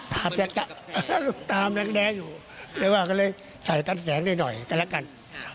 ทาแปลงเปล่ากำแรงอยู่ละก็เลยใส่ตัดแสงได้หน่อยละกัน